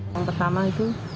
yang pertama itu